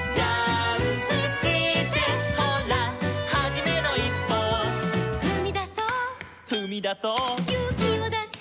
「ほらはじめのいっぽを」「ふみだそう」「ふみだそう」「ゆうきをだして」